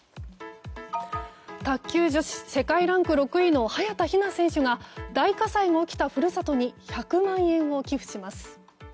卓球女子世界ランク６位の早田ひな選手が大火災が起きた故郷に１００万円を寄付します。